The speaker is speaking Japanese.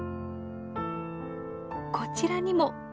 こちらにも。